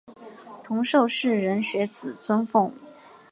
同受士人学子尊奉。